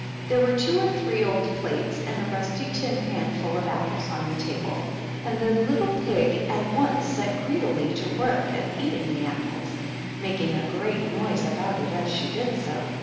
There were two or three old plates and a rusty tin pan full of apples on the table, and the little pig at once set greedily to work at eating the apples, making a great noise about it as she did so.